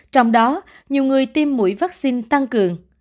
trong đó nhiều người tiêm mũi vaccine tăng cường